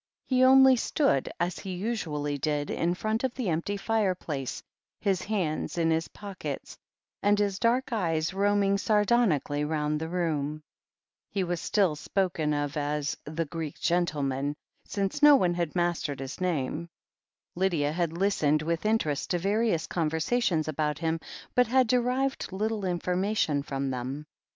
He only stood, as he usually did, in front of the empty fireplace, his hands in his pockets, and his dark eyes roaming sardonically round the room. He was still spoken of THE HEEL OF ACHILLES 143 as "the Greek gentleman," since no one had mastered his name. Lydia had listened with interest to various conversations about him, but had derived little informa tion from them.